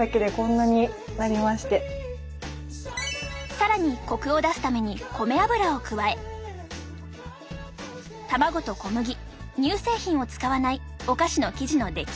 更にコクを出すために米油を加え卵と小麦乳製品を使わないお菓子の生地の出来上がり。